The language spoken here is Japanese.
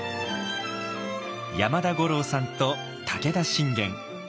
山田五郎さんと武田信玄。